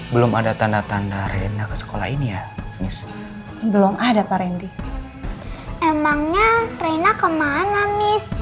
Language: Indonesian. belum ada tanda tanda rena ke sekolah ini ya belum ada pak rendy emangnya reina kemana mis